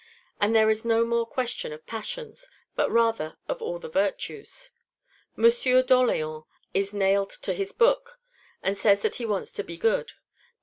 And there is no more question of passions, but rather of all the virtues; M. d'Orléans is nailed to his book, and says that he wants to be good; but M.